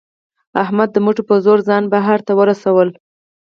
احمد د مټو په زور ځان بهر ته ورسولو.